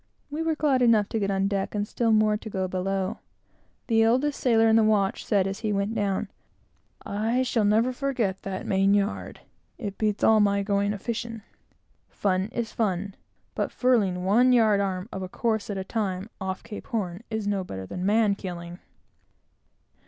We were glad enough to get on deck, and still more, to go below. The oldest sailor in the watch said, as he went down, "I shall never forget that main yard; it beats all my going a fishing. Fun is fun, but furling one yard arm of a course, at a time, off Cape Horn, is no better than man killing."